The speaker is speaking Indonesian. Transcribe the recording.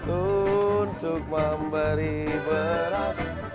untuk memberi beras